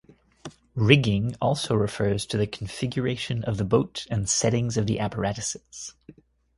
"Rigging" also refers to the configuration of the boat and settings of the apparatuses.